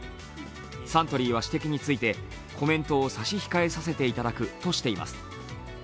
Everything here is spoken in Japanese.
サントリーは指摘についてコメントを差し控えさせていただくとしています。